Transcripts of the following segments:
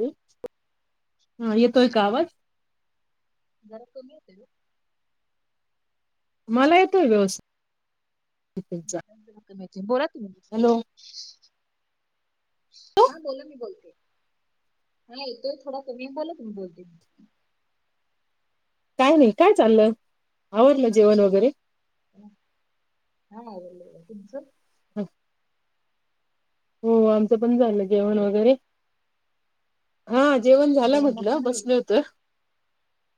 हा, येतोय का आवाज? जरा कमी येतोय. मला येतोय हॅलो व्यवस्थी बोला तुम्ही? हॅलो हा बोला मी बोलते, हा येतोय थोडा कमी आहे, बोला तुम्ही, बोलते. काय नाही काय चाललं? आवरलं जेवण वगैरे? हा आवरलं बघा, तुमच? ह. हो आमचं पण झालं जेवण हॅलो वगैरे हां जेवण झालं जरा म्हटलं मोठ्यानं बोला बसलो होतो.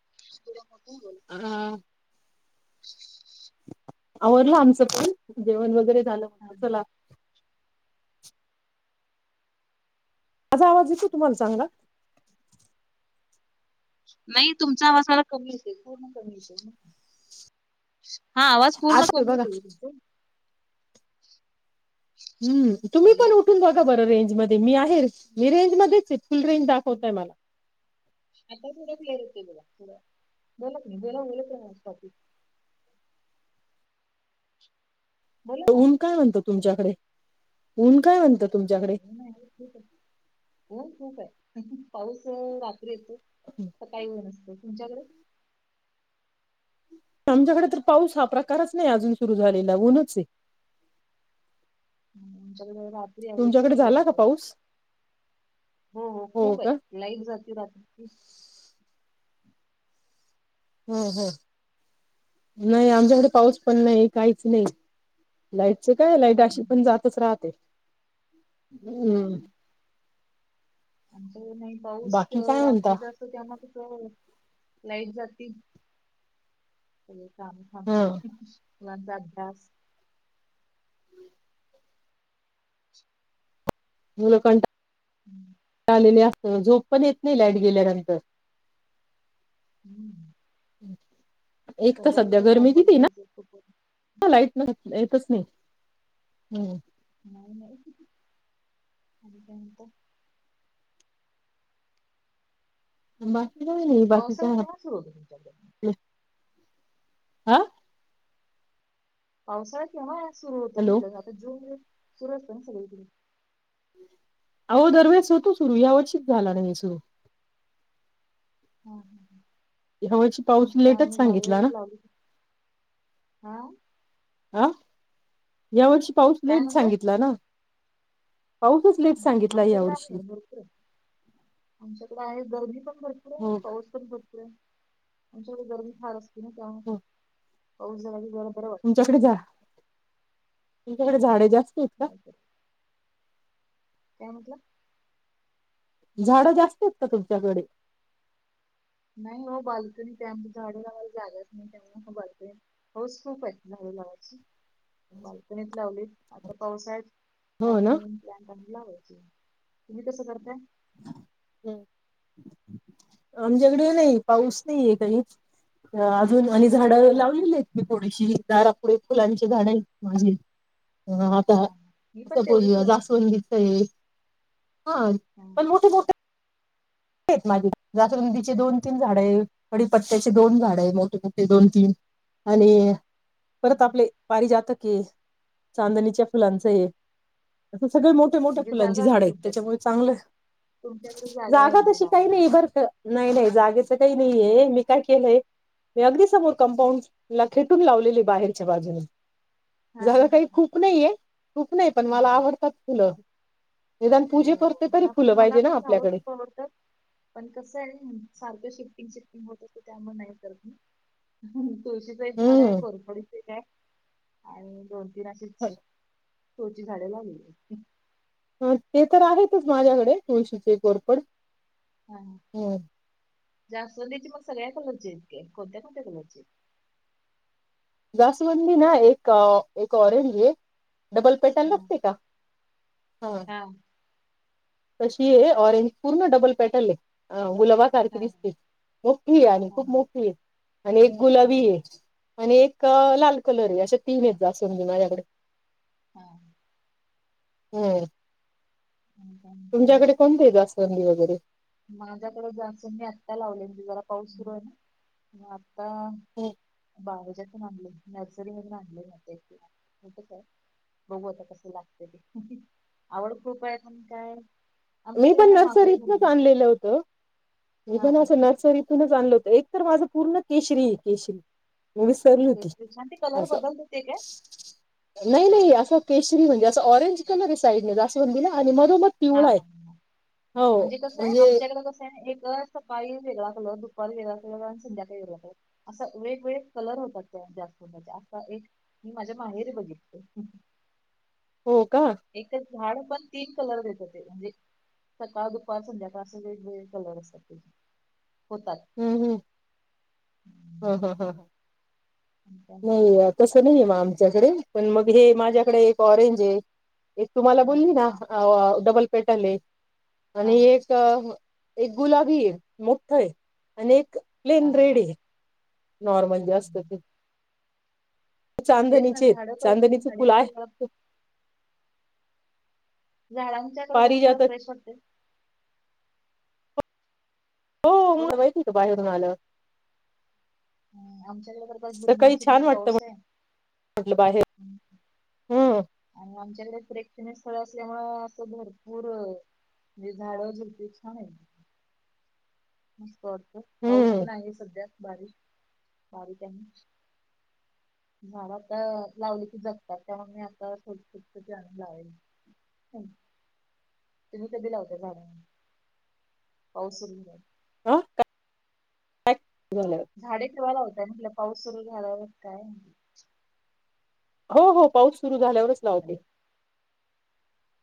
[unintelligible] हं. आवरलं आमचं पण जेवण वगैरे झालं. हां. म्हटलं चला माझा आवाज येतोय तुम्हाला चांगला? नाही तुमचाआवाज मला कमीे येतोय पूर्ण कमी येतोय मगं हां आवाज पूर्ण आजतोय कमी बघा येतोय तुमचा? हम! तुम्ही हॅलो पण उठून बघा बरं रेंज मध्ये मी आहे मी रेंज मध्येच आहे फुल रेंज दा हो. आता थोडा क्लिअर येतोय बघा. बोला तुम्ही बोलत राहा म्हणजे बोला ना ऊन काय म्हणतो तुमच्याकडे ऊन काय म्हणतात. हो ना ऊन खूप आहे खूप खूप आहे पाऊस रा त्री येतो तर सकाळी नसतो तुमच्याकडे? आमच्याकडे तर पाऊस हा प्रकारच नाही अजून सुरू झालेला ऊनच आहे. आच्याकडे रात्री आहे तुमच्याकडे खूप आहे झाला का पाऊस. हो हो खूप आहे लाईट जाते रात्रीची. हां हां नाही आमच्याकडे पाऊस पण नाही काहीच नाही. लाईटच काय लाईट अशी हम्म. पण जातच राहते हा. हम्म. आमच्याकडे नाही पाऊस बाकी काय म्हणता रात्रीचा असत त्यामुळे कस लाईट जाती. सगळी काम हा थांबतात. मुलांचा अभ्यास मुलं काही हं. झोप पण येत नाही लाईट गेल्यानंतर हम्म. एक तर संध्याकाळी सध्या काय गरमी किती होमवर्क आहे ना. घ्यायचं असतो पण लाईट येतच नाही हं. नाही नाही. बाकी काही नाही बाकी पावसाळा तर केव्हा सुरू होतो तुमच्याकडे हा पावसाळा केंव्हा सुरू होतो हॅलो म्हंटल आता जून मध्ये सुरू असतो ना सगळीकडे. हो दरवेळेस होतो सुरू यावर्षीच हा झाला नाही सुरू हां हां हां ह्या वर्षी पाऊस मग काय लेटच आणि झाडे सांगितला ना वगैरे लावली हां. आं या वर्षी पाऊस काय लेट म्हणताय सांगितला ना. पाऊसच लेट सांगितला या आमच्याकडे वर्षी आहे भरपूर आहे. आमच्याकडे आहे गर्दी पण भरपूर आहे, हो पाऊस पण भरपूर आहे आमच्याकडे गर्दी फार असते. ते नाही का हो पाऊस जरा जरी झाला तर वा तुमच्याकडे जा तुमच्याकडे झाडे जास्त आहेत का? नाही तर काय म्हटलं? झाडं जास्त आहेत का तुमच्याकडे? नाही हो बाल्कनीत आहे झाडे लावायला जागाच नाही त्यामुळे बाल्कनीत हाऊस खूप आहे झाडे लावायची. बाल्कनीत लावली आता पावसाळ्यात हो नवीन ना. नवीन रँडम लावायची, तुम्ही कसं करताय? आमच्याकडे नाही, पाऊस नाहीये काहीच. अजून आणि झाडं वगैरे हा हा लावलेली आहेत. मी थोडीशी दारा पुडे, फुलांची झाडे आहेत माझी हा हा मी पण तेवढीच [unintelligible] लावली जास्वंदीच आहेत हा पण मोठे मोठे ठे माझे जास्वंदीचे दोन तीन झाडे आहे. कडी पत्त्याचे दोन झाड आहे मोठे मोठे दोन तीन आणि परत हम्म आपले पारिजातक आहे चांदणीच्या फुलांचं आहे अस सगळे मोठ मोठ्या मोठ्या म्हणजे फुलांची जागा आहे झाड आहेत, तुमच्याकडे त्याच्यामुळे चांगलं तुमच्याकडे आहे जागा म्हणजे तशी काही लावायला नाही तर नाही नाही जागेच काही नाहीये मी काय केलंय मी अगदी समोर कंपाऊंड ला खेटून लावलेली बाहेरच्या बाजूने हा हा झाडं हा काही खूप नाहीये खूप नाही पण हा मला आवडतात फुलं. निदान पूजे हो करते तरी मला पण फुलं मला पाहिजे ना पण झाडं आपल्याकडे खूप आवडतात. पण कसं आहे सारखं शिफ्टिंग शिफ्टिंग होत असं त्यामुळे नाही करत मी. तुळशीचं एक झाड आहे हम्म कोरफडच एक आहे आणि दोन तीन अशीच, शोची झाडे लागली आहे. ते तर आहेतच माझ्याकडे तुळशीचे कोरफड. हा जास्वंदीची मग सगळ्या कलरची आहेत, काय कोणत्या कोणत्या कलरची आहेत. जास्वंदीना एक, एक ऑरेंड आहे. डबल पेटर्न हा लागते का? हा. तशी आहे ऑरेंज, पूर्ण डबल पॅटर्न आहे गुलाबा सारखी हा हा दिसते मोठी आहे आणि खूप हा मोठी आहे आणि एक गुलाबी हो. आहे. आणि एक लाल कलर आहे अशे तीन आहेत जास्वंदी माझ्याकडे. हा हम्म हं का! तुमच्याकडे कोणती आहे जास्वंदी वगैरे माझ्याकडे जास्वंदी आत्ता लावले मी जरा पाऊस सुरू आहे ना म आता हो बावजातून आणले, नर्सरी मधून आणले नाते कुठे काय? बघू आता कसं लागत ते आवड खूपआहे म्हणून काय? मी आमच्याकडे पण ना माकडे नर्सरीतनच भरपूर येतात. आणलेलं होतं. मी हा. पण असं नर्सरीतूनच आणलं होतं, एक तर माझं पूर्ण केशरी केशरी. म विसरली होती तेच ते छान ते कलर असं. बदलतात ते काय? नाही नाही असा केशरी म्हणजे असं ऑरेंज कलर या साईडन जास्वंदीला आणि मध्ये मंग हा पिवळा आहे. हा हा. म्हणजे कसं आहे आमच्याकडे कसं आहे एक. सकाळी वेगळा कलर, दुपारी वेगळा कलर अन संध्याकाळी वेगळा असा वेगवेग कलर होता त्या जास्वान्दाचा, असा एक मी माझ्या माहेरी बघितले. हो का? एकच झाड पण तीन कलर देत ते, म्हणजे सकाळ दुपार संध्याकाळ अस वेगवेगळे कलर असतात ते जे होतात. हम्म हम्, हम्म. हन हन आणि काय म्हणतात? [unintelligible] तसं नाही ये मग आमच्याकडे, पण मग हे माझ्याकडे एक ऑरेंज ये, एक तुम्हाला हा बोलली ना? अ डबल पेट आले हा आणि एक. क् एक गुलाबी ये, मोठ्ठय आणि एक हा प्लेन हा. रेडये. नॉर्मल जे असतं हम्म. ते. तेच ना चांदणीचे झाडं पाहिजे चांदणीचे झाडे फूल आहे. असली जरा झाडांच्याकडून होऊन जरा पारिजातक फ्रेश वाटतय. हो बोला मला माहिती होत, बाहेरून आल्यावर. ह आमच्याकडे तरी पण, झिरमीट सकाळी छान झिरमीट वाटतं पाऊस आहे. म्हटलं बाहेर हम्म आणि आमच्याकडे प्रेक्षणी स्थळ असल्यामुळ असं भरपूर म्हणजे झाडं झुडपी छान आहेत. मस्त! वाटत पाऊस हम्म पण आहे, सध्या बारीक बारीक आहे. झाडं आता लावली की, जगतात त्यामुळे मी आत्ता थोडी छोटी छोटी आणून लावायची. हम्म, तुम्ही कधी लावताय झाड पाऊस सुरू झाल्यावर? आ काय? [unintelligible] सुरू झाल्यावर? झाडे ठेवायला होतय म्हटलं, पाऊस सुरू झाल्यावर काय म्हटलं? हो हो, पाऊस सुरू झाल्या वरच लावते.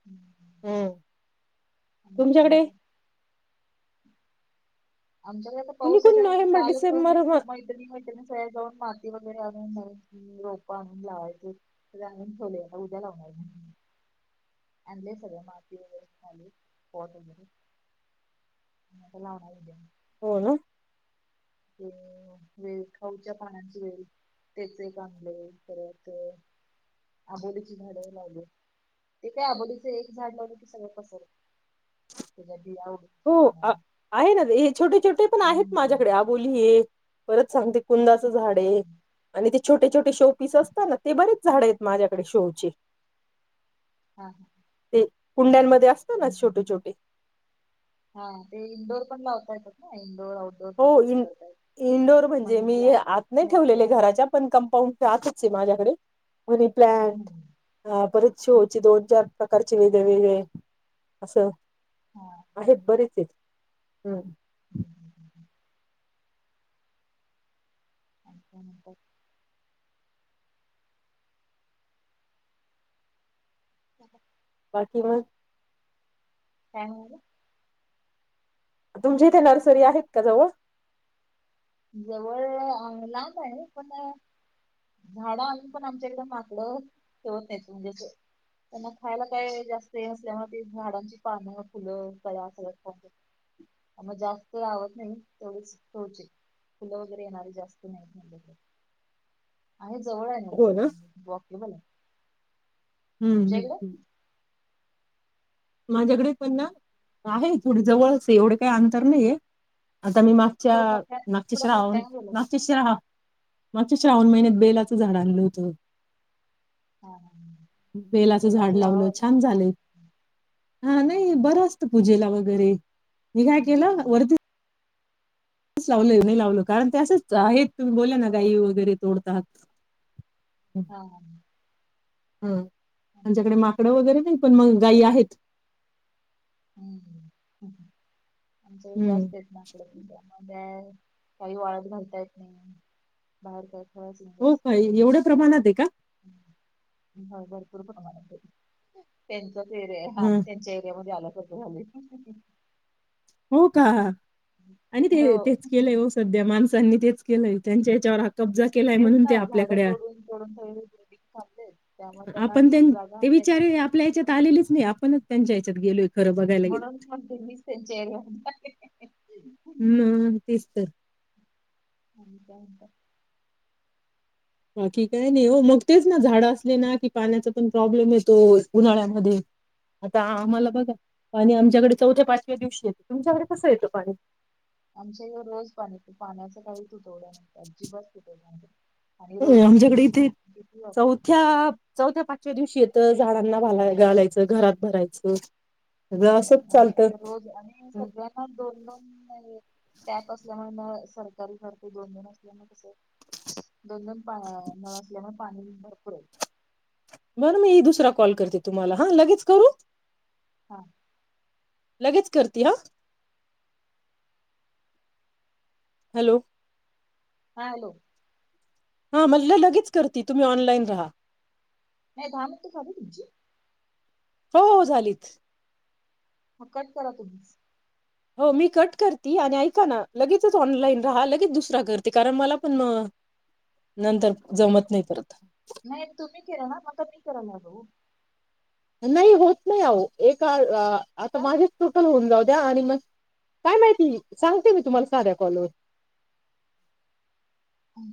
हम्म, आणि अजून तुमच्याकडे काय? आमच्याकडे आता कुणी पाऊस आहे, कुणी त्यामुळे मी नोव्हेंबर कालच डिसेंबर म- मैत्रिणी मैत्रिणी सगळ्या जाऊन माती वगैरे, आणून बाहेरची रोप आणून लावायचेत. काल आणून ठेवलोय, आता उद्या लावणार मी. आणलयं सगळं माती वगैरे, खाली पॉट वगैरे. आता लावणार उद्या. हो ना. ह ह, वेल खाऊच्या पाणांची वेल तेच एक आणलय परत आबोलीची झाड लावलीयेत, ते काय आबोलीच एक झाड लावलं की, सगळं पसरतयं. तेच्यात बिया [unintelligible] हो आहे ना, छोटे छोटे पण आहेत हम्म माझ्याकडे आबोली ये परत सांगते. कुंदाचं झाडे हा आहे, आणि ते छोटे छोटे शो पीस हा हा असतात ना, ते बरेच झाडे आहेत. माझ्याकडे शो ची हाअ. ते कुंड्यांमध्ये असत ना, छोटे छोटे. हा ते इनडोअर पण लावता येत ना, इनडोअर आउटडोअर. हो, दोन्ही पण करता येतात इनडोअर म्हणजे मनी मी प्लांट आत नाही स्नेक ठेवलेले प्लांट घराच्या पण कंपाउंडच्या आतचं आहे, माझ्याकडे हम्म मनीप्लांट हा बरीच शो ची दोन चार प्रकारचे वेगळे वगळे असं हा. आहेत बरेच आहेत हम्म, ह ह ह. आणि काय म्हणताय? [unintelligible] बाकी मग? काय म्हणला? तुमच्या इथे नर्सरी आहेत का जवळ? जवळ आहे, लांब आहे ओ पण झाडं आम्ही पण, आमच्याकडे माकड ठेवत नाही म्हणजे असं त्यांना खायला काय जास्त हे असल्यामुळे ते झाडांची पानं फुलं कळ्या सगळ खात्यात. आ मग जास्त लावत नाही, तेवढच शोचे. फुलं वगैरे येणारे जास्त नाहीत, माझ्याकडं. आहे जवळ आहे, हो ना नर्सरी वॉकेबल आहे. ह ह तुमच्या इकडं ह. माझ्याकडे पण ना आहे, थोडी जवळचं ये एवढे काही अंतर नाहीये आता मी माग च्या थोडं मोठ्या मागचे थोडं श्रावण मोठ्याने बोला होते ना. [unintelligible] मागच्या श्रावण महिन्यात बेलाचं झाडं आणल होत मी. हा हा बेलाचं बेलाच झाड लावलं लावा ना. छान झालयं. हा नाही हम्म. बरं, असतं पूजेला वगैरे मी काय केलं वरती लावल नाही लावलो, कारण ते असंच हा आहेत तुम्ही बोल्या ना गाई वगैरे तोडतात. हा हा. ह आमच्या कडे काय म्हणता माकडं वगैरे नाही, पण मग गायी आहेत. ह ह आमच्या कडे हं जास्त येत ना. मग काय काही वाळत घालता येत नाही, बाहेरचं. हो काय, एवढ्या प्रमाणात आहे का? होय, भरपूर प्रमाणात आहे. त्यांचाच एरिया आहे हा, हं आम्ही त्यांच्या एरियामध्ये आल्या सारखं झालयं. हो का, आणि हो ते तेच केलंय सध्या माणसांनी तेच केलं त्यांच्या याच्यावर हाकप. हेच ना झाडं तोडून तडून सग बिल्डंग थांबले त्यामुळे त्यांना आपण त्यां ते विचार त्यांची आपल्या या्याच्यात आलेलेच नाही आपणच त्यांच्या या्याच्यात गेलो होत. म्हणून म्हणते मी सचरी ह तच तर आणि का का? बाकी काय नाही हो मग तेच ना झाड असले ना की पाण्याचा पण प्रॉब्लेम येतो उन्हाळ्यामध्ये- आता आम्हाला बघा पाणी आमच्याकडे चौथ्या पाचव्या दिवशी येते तुमच्याकडे कसं येतं पाणी आमच्या एव रोज पाणी पाण्याचा काही तुटवडा नाही अजिबात तुटवडा नाही. आणि रोज किती किती? थ्या चौथ्या पाचव्या दिवशी येतं झाडांनाला घालायचं घरात भरायचं. सगळं नाही असंच म्हच्या चालतं ते रोज आणि हं. सगळ्यांना दोन दोन टॅप असल्यामुळे म सरकारी घरते दोन दोन असल्यामुळे कस. दोन दोन पा नळ असल्यामुळे पाणी भरपूर आहे. बरं मी दुसरा कॉल करते तुम्हाला हा लगेच करू. हां. लगेच करते हा. हॅलो हा हॅलो. हा म्हट लगेच कर तुम्ही ऑनलाईन राहा. नाही धान तर खा तुमचे? हो हो झालीत. ह कट करा तुम्हीच? हो मी कट करते आणि ऐका ना लगेच ऑनलाईन राहा लगेच दुसरा करते कारण मला पण नंतर जमत नाही परत नाही तुम्ही केरा ना मता मी करा ला भाऊ नाही होत नाही अहो एका आता माझे टोटल होऊन जाऊ द्या आणि मग काय माहिती सांगते मी तुम्हाला साध्या कॉलवर हो.